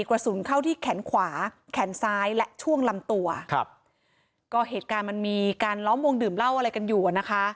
กระสุนเข้าที่แขนขวาแขนซ้ายและช่วงลำตัวครับก็เหตุการณ์มันมีการล้อมวงดื่มเหล้าอะไรกันอยู่อ่ะนะคะ